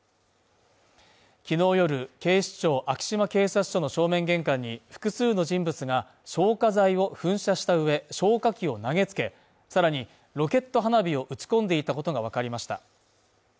昨日夜、警視庁昭島警察署の正面玄関に複数の人物が消火剤を噴射した上、消火器を投げつけ、さらにロケット花火を打ち込んでいたことがわかりました。